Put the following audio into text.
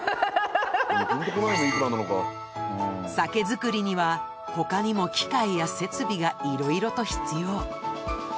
酒造りには他にも機械や設備がいろいろと必要。